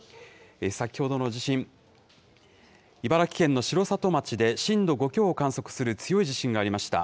先ほどの地震、茨城県の城里町で震度５強を観測する強い地震がありました。